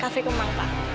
cafe kemang pak